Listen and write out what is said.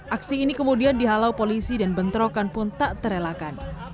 aksi ini kemudian dihalau polisi dan bentrokan pun tak terelakkan